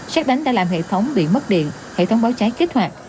xét đánh đã làm hệ thống bị mất điện hệ thống báo cháy kích hoạt